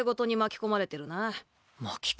巻き込まれてる？